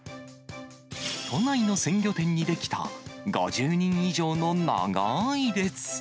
都内の鮮魚店に出来た５０人以上の長い列。